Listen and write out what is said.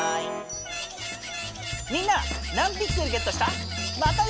みんな何ピクセルゲットした？